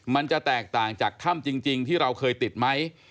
มันจะแตกต่างจากถ้ำจริงที่เราเคยติดไหม